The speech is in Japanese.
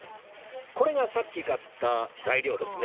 これがさっき買った材料ですね